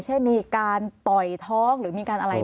ใช่มีการต่อยท้องหรืออะไร